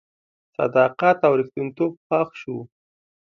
صداقت او ریښتینتوب خوښ شو.